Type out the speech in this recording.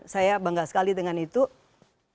saya bangga sekali dengan itu tidak ada yang berpikir